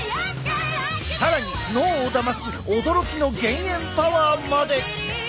更に脳をだます驚きの減塩パワーまで！